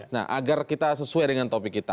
nah agar kita sesuai dengan topik kita